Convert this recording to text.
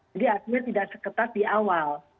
jadi artinya tidak seketat di awal